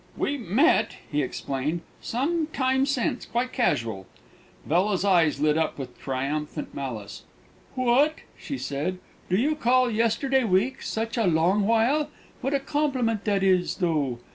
"We met," he explained, "some time since, quite casual." Bella's eyes lit up with triumphant malice. "What!" she said, "do you call yesterday week such a long while? What a compliment that is, though!